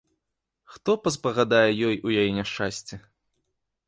Хто паспагадае ёй у яе няшчасці?